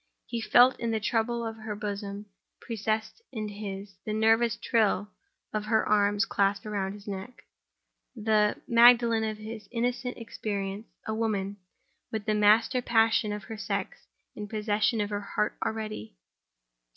He felt it in the trouble of her bosom pressed against his; in the nervous thrill of her arms clasped around his neck. The Magdalen of his innocent experience, a woman—with the master passion of her sex in possession of her heart already!